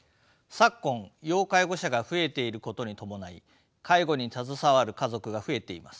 昨今要介護者が増えていることに伴い介護に携わる家族が増えています。